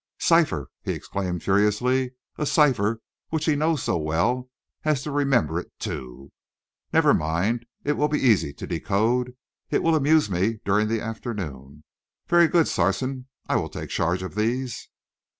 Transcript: "Cipher!" he exclaimed furiously. "A cipher which he knows so well as to remember it, too! Never mind, it will be easy to decode. It will amuse me during the afternoon. Very good, Sarson. I will take charge of these."